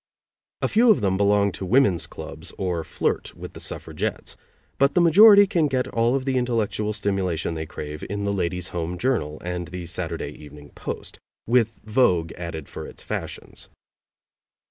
A few of them belong to women's clubs or flirt with the suffragettes, but the majority can get all of the intellectual stimulation they crave in the Ladies' Home Journal and the Saturday Evening Post, with Vogue added for its fashions.